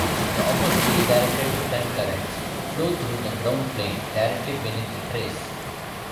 The oppositely-directed return currents flow through the ground plane directly beneath the trace.